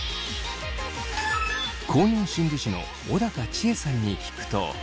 公認心理師の小高千枝さんに聞くと。